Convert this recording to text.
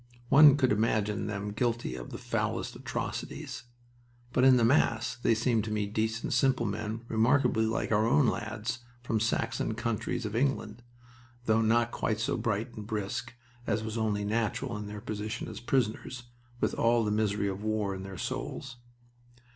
One could imagine them guilty of the foulest atrocities. But in the mass they seemed to me decent, simple men, remarkably like our own lads from the Saxon counties of England, though not quite so bright and brisk, as was only natural in their position as prisoners, with all the misery of war in their souls.